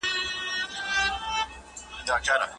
پرمختیايي پروګرامونه د اقتصاد او ټولني ګډ کار دی.